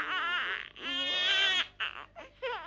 aku tidak pernah melihatmu